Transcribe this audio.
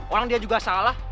orang dia juga salah